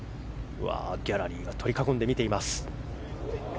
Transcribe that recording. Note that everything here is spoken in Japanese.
ギャラリーが取り囲んで見ています。